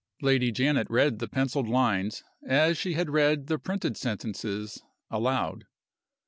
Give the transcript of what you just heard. Lady Janet read the penciled lines, as she had read the printed sentences, aloud.